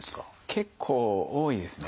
結構多いですね。